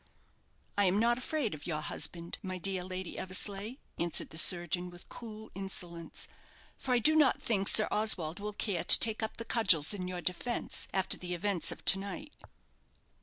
"I am not afraid of your husband, my dear Lady Eversleigh," answered the surgeon, with cool insolence; "for I do not think Sir Oswald will care to take up the cudgels in your defence, after the events of to night."